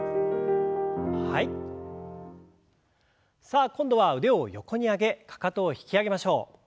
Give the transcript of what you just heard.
さあ今度は腕を横に上げかかとを引き上げましょう。